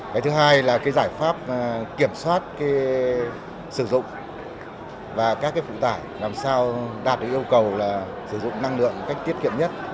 cái thứ hai là cái giải pháp kiểm soát sử dụng và các phụ tải làm sao đạt được yêu cầu là sử dụng năng lượng cách tiết kiệm nhất